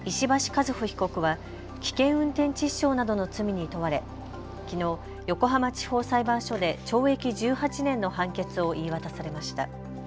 和歩被告は危険運転致死傷などの罪に問われきのう横浜地方裁判所で懲役１８年の判決を言い渡されました。